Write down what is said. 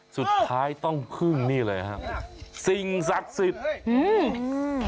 สุดท้ายต้องพึ่งนี่เลยฮะสิ่งศักดิ์สิทธิ์อืมอืม